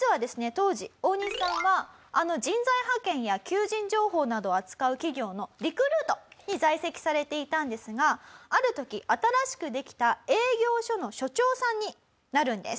当時オオニシさんはあの人材派遣や求人情報などを扱う企業のリクルートに在籍されていたんですがある時新しくできた営業所の所長さんになるんです。